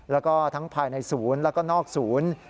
แล้วก็ทั้งภายในศูนย์แล้วก็นอกศูนย์